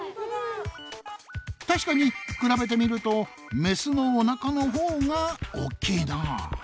確かに比べてみるとメスのおなかのほうが大きいなぁ。